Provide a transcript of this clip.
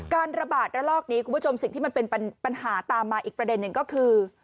การระบาดระลอกนี้คุณผู้ชมสิ่งที่มันเป็นปัญหาตามมาอีกประเด็นหนึ่งก็คือ